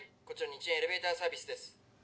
こちらニチエイエレベーターサービスです。